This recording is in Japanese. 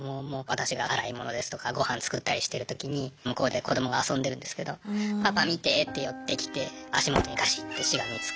私が洗い物ですとか御飯作ったりしてる時に向こうで子どもが遊んでるんですけどパパ見てって寄ってきて足元にがしってしがみつく。